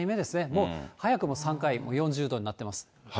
もう早くも３回、４０度になってます。